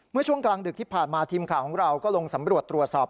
เมื่อช่วงกลางดึกที่ผ่านมาทีมข่าวของเราก็ลงสำรวจตรวจสอบ